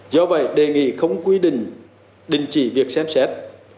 do vậy đề nghị không quy định đình chỉ việc xem xét